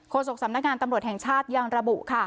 โครงศพสำนักงานตำรวจแห่งชาติยังระบุ